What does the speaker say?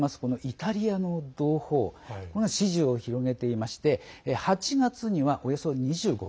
イタリアの同胞これが支持を広げていまして８月には、およそ２５％